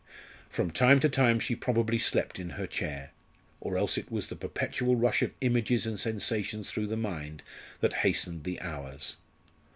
From time to time she probably slept in her chair. Or else it was the perpetual rush of images and sensations through the mind that hastened the hours.